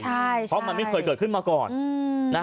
เพราะมันไม่เคยเกิดขึ้นมาก่อน